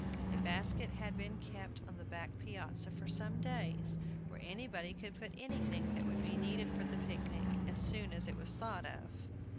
A basket had been kept on the back piazza for some days, where anybody could put anything that would be needed for the picnic as soon as it was thought of.